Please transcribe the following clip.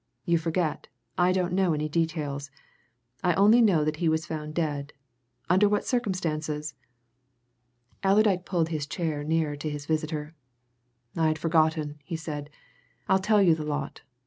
you forget I don't know any details. I only know that he was found dead. Under what circumstances?" Allerdyke pulled his chair nearer to his visitor. "I'd forgotten," he said. "I'll tell you the lot.